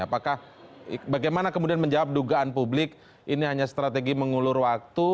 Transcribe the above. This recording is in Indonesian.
apakah bagaimana kemudian menjawab dugaan publik ini hanya strategi mengulur waktu